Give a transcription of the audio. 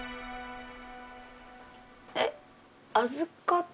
えっ？